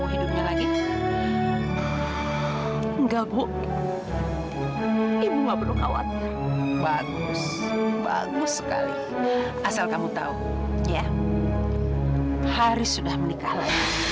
ya allah sebenarnya apa yang terjadi sama mama